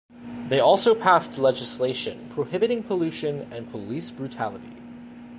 They also passed legislation prohibiting pollution and police brutality.